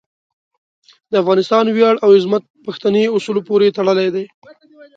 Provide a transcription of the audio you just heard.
د افغانستان ویاړ او عظمت پښتني اصولو پورې تړلی دی.